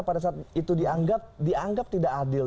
pada saat itu dianggap tidak adil